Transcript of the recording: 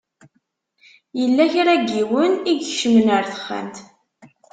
Yella kra n yiwen i ikecmen ar texxamt.